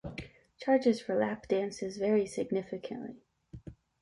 Charges for lap dances vary significantly.